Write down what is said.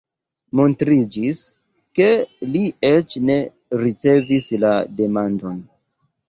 Montriĝis, ke li eĉ ne ricevis la demandon.